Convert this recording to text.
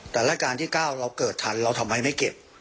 แต่รายการที่๙เราเกิดทันเราทำไมไม่เก็บ